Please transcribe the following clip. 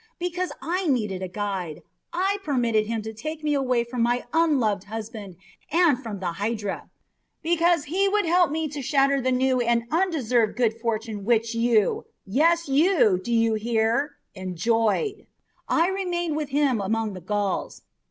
Because I needed a guide, I permitted him to take me away from my unloved husband and from the Hydra. Because he would help me to shatter the new and undeserved good fortune which you yes, you do you hear? enjoyed, I remained with him among the Gauls.